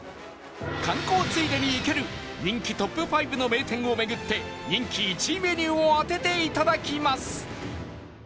観光ついでに行ける人気トップ５の名店を巡って人気１位メニューを当てていただきます